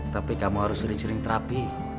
tapi kamu harus sering sering terapi